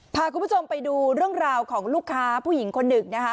พาคุณผู้ชมไปดูเรื่องราวของลูกค้าผู้หญิงคนหนึ่งนะคะ